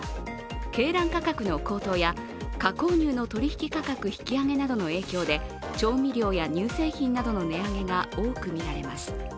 鶏卵価格の高騰や加工乳の取引価格引き上げなどの影響で調味料や乳製品などの値上げが多くみられます。